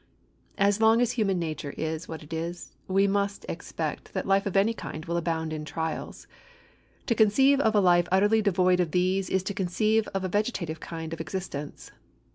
As long as human nature is what it is, we must expect that life of any kind will abound in trials. To conceive of a life utterly devoid of these is to conceive of a vegetative kind of existence.